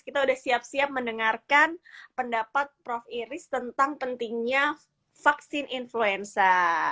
kita sudah siap siap mendengarkan pendapat prof iris tentang pentingnya vaksin influenza